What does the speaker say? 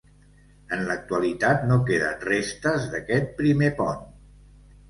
En l'actualitat no queden restes d'aquest primer pont.